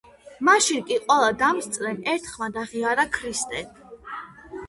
მაშინ კი ყველა დამსწრემ ერთხმად აღიარა ქრისტე.